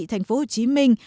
thành phố hồ chí minh